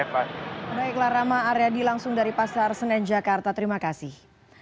baiklah rama aryadi langsung dari pasar senen jakarta terima kasih